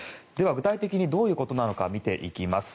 具体的にどういうことなのか見ていきます。